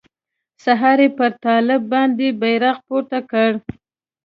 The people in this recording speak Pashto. سهار يې پر طالب باندې بيرغ پورته کړ.